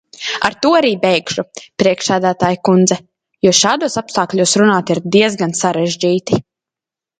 Ar to arī beigšu, priekšsēdētājas kundze, jo šādos apstākļos runāt ir diezgan sarežģīti.